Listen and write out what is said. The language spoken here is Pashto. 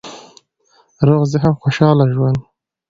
روغ ذهن، خوشحاله ژوند